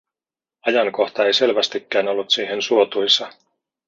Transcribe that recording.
Ajankohta ei selvästikään ollut siihen suotuisa.